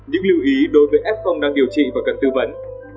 những lưu ý đối với f đang điều trị và cần tư vấn